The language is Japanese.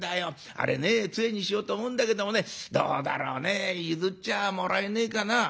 あれねつえにしようと思うんだけどもねどうだろうね譲っちゃもらえねえかな？」。